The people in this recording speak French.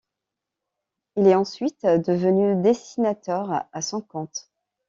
Il est ensuite devenu dessinateur à son compte.